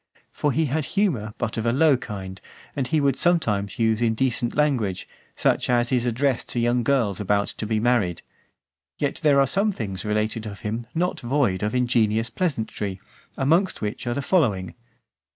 For he had humour, but of a low kind, and he would sometimes use indecent language, such as is addressed to young girls about to be married. Yet there are some things related of him not void of ingenious pleasantry; amongst which are the following.